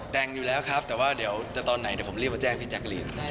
แดงอยู่แล้วครับแต่ว่าเดี๋ยวตอนไหนผมเรียกมาแจ้งพี่แจ๊กรีน